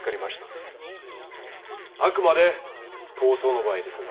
あくまで痘瘡の場合ですが。